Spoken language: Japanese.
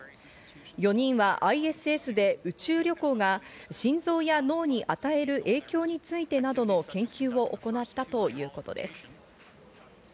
４人はＩＳＳで宇宙旅行が心臓や脳に与える影響についてなどの研究を行ったということです。